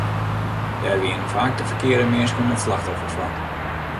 Dêr wienen faak de ferkearde minsken it slachtoffer fan.